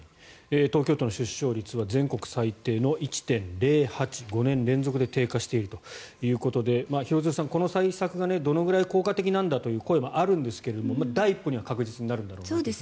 東京都の出生率は全国最低の１．０８５年連続で低下しているということで廣津留さん、この対策がどれくらい効果的なんだという声もあるんですけれども、第一歩には確実になるんだと思います。